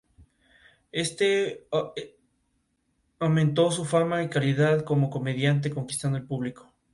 Los antecedentes familiares de Mario Gas están ligados al mundo del espectáculo catalán.